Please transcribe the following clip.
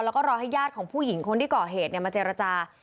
แล้วก็รอให้ญาติของผู้หญิงคนที่ก่อเหตุมาเจรจา